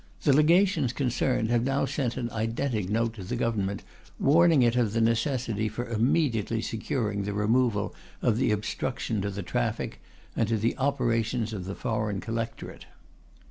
The Legations concerned have now sent an Identic Note to the Government warning it of the necessity for immediately securing the removal of the obstruction to the traffic and to the operations of the foreign collectorate.